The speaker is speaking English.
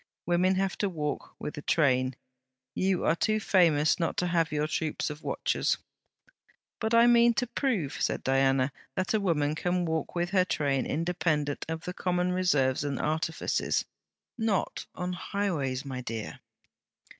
Women have to walk with a train. You are too famous not to have your troops of watchers.' 'But I mean to prove,' said Diana, 'that a woman can walk with her train independent of the common reserves and artifices.' 'Not on highways, my dear!'